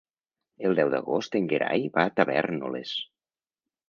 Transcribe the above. El deu d'agost en Gerai va a Tavèrnoles.